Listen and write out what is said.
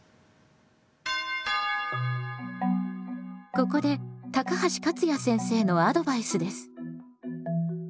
ここで高橋勝也先生のアドバイスです。